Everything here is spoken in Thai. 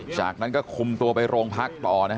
จากนั้นก็คุมตัวไปโรงพักต่อนะฮะ